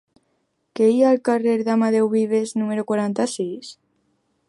Què hi ha al carrer d'Amadeu Vives número quaranta-sis?